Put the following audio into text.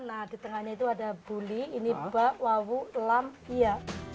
nah di tengahnya itu ada buli ini bak wawu lampia